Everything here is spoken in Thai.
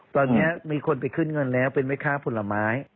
ตอนนี้มีคนไปขึ้นเงินแล้วเป็นแม่ค้าผลไม้